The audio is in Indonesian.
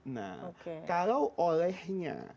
nah kalau olehnya